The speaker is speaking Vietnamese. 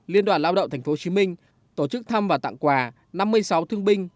liên đoàn lao động tp hcm tổ chức thăm và tặng quà năm mươi sáu thương binh